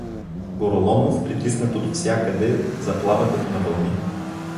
Гороломов, притиснат отвсякъде, заплава като на вълни.